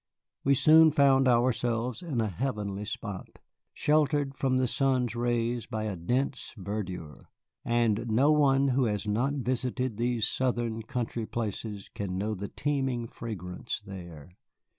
We soon found ourselves in a heavenly spot, sheltered from the sun's rays by a dense verdure, and no one who has not visited these Southern country places can know the teeming fragrance there.